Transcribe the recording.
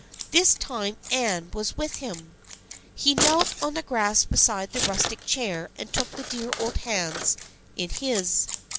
This time Anne was with him. He knelt on the grass beside the rustic chair and took the dear old hands in his.